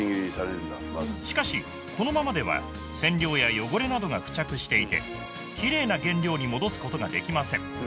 しかしこのままでは染料や汚れなどが付着していてきれいな原料に戻すことができません